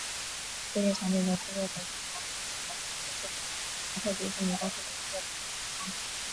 这些产品的制作者小小爱因斯坦公司是华特迪士尼公司的一个子公司。